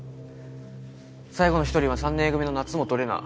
最後の１人は３年Ａ組の夏本レナ。